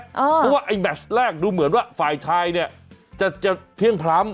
เพราะว่าไอ้แมชแรกดูเหมือนว่าฝ่ายชายเนี่ยจะเพลี่ยงพล้ำ